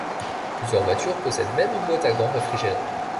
Plusieurs voitures possèdent même une boîte à gants réfrigérée.